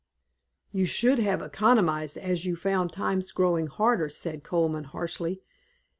"You should have economized as you found times growing harder," said Colman, harshly.